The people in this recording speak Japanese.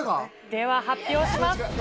では発表します。